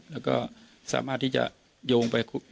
แล้วก็สามารถที่จะโยงไป